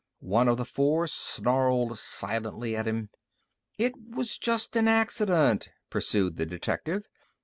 One of the four snarled silently at him. "It was just a accident," pursued the detective.